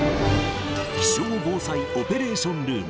気象防災オペレーションルーム。